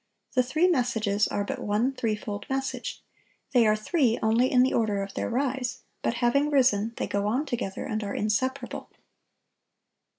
The three messages are but one threefold message. They are three only in the order of their rise. But having risen, they go on together, and are inseparable.